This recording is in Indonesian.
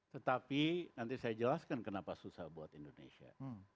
tetapi nanti saya jelaskan kenapa susah buat indonesia